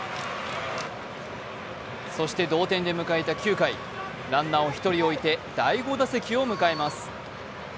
そして同点で迎えた９回ランナーを１人置いて、第５打席を迎えます。